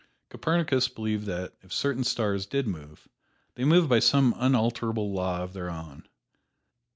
Copernicus believed that, if certain stars did move, they moved by some unalterable law of their own.